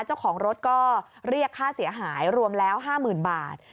เจ้าของรถก็เรียกค่าเสียหายรวมแล้ว๕๐๐๐บาท